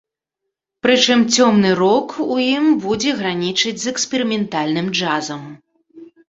Прычым цёмны рок у ім будзе гранічыць з эксперыментальным джазам.